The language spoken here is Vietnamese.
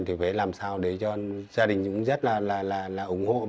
thì phải làm sao để cho gia đình cũng rất là ủng hộ